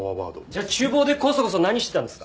じゃあ厨房でコソコソ何してたんですか？